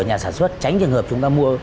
nhà sản xuất tránh trường hợp chúng ta mua